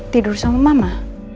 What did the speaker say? tidur sama mama